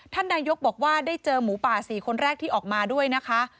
ท่านนายกบอกว่าได้เจอหมูป่า๔คนแรกที่ออกมาด้วยนะคะ